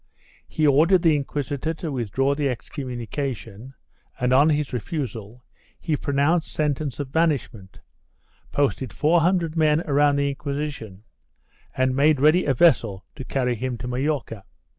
He ordered the inquisitor to withdraw the excommunication and, on his refusal, he pronounced sentence of banishment, posted four hundred men around the Inquisition and made ready a vessel to carry him to Majorca.